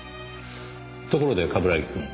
ところで冠城くん。